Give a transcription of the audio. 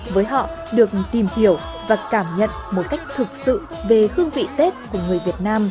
với họ được tìm hiểu và cảm nhận một cách thực sự về hương vị tết của người việt nam